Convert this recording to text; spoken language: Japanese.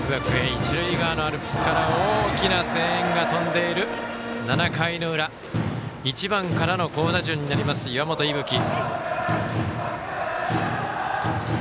一塁側のアルプスから大きな声援が飛んでいる７回の裏１番からの好打順になります岩本聖冬生。